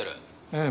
ええ。